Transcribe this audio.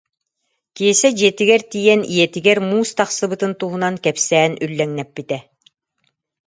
Киэсэ дьиэтигэр тиийэн ийэтигэр муус тахсыбытын туһунан кэпсээн үллэҥнэппитэ